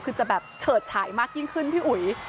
คือจะแบบเฉิดฉายมากยิ่งขึ้นพี่อุ๋ย